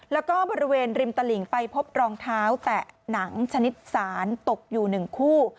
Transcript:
แล้วก็บริเวณริมตลิ่งไปพบรองเท้าแตะหนังชนิดสารตกอยู่๑คู่